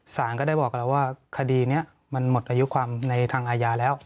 สารก็ได้บอกแล้วว่าคดีนี้มันหมดอายุความในทางอาญาแล้ว